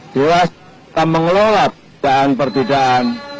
dewasa dalam mengelola perbedaan perbedaan